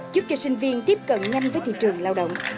giúp cho sinh viên tiếp cận nhanh với thị trường lao động